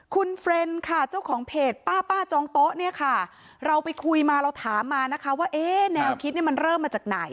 คุณเฟรนด์ค่ะเจ้าของเพจป้าป้าจองโต๊ะเนี่ยค่ะเราไปคุยมาเราถามมานะคะว่าเอ๊ะแนวคิดเนี่ยมันเริ่มมาจากไหน